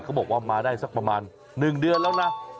เขาบอกว่ามาได้สักประมาณ๑เดือนแล้วนะ